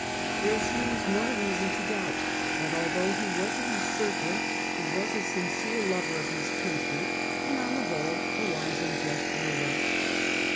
There seems no rea son to doubt that although he was a usurper he was a sincere lover of his country, and on the whole a wise and just ruler.